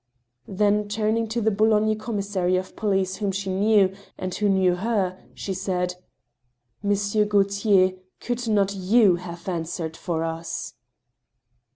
' Then turning to the Boulogne commissary of police whom she knew, and who knew her, she said :" Monsieur Gauthier, could not^^w have answered for us